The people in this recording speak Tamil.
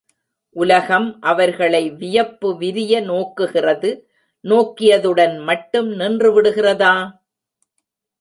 உலகம் அவர்களை வியப்பு விரிய நோக்குகிறது நோக்கியதுடன் மட்டும் நின்று விடுகிறதா?